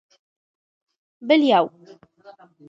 بېل. √ یوم